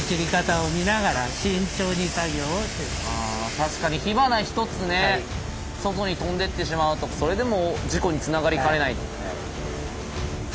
確かに火花一つね外に飛んでってしまうとそれでもう事故につながりかねない。